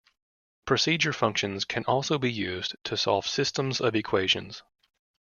Procedure functions can also be used to solve systems of equations.